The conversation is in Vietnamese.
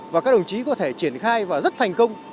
và các đồng chí có thể triển khai và rất thành công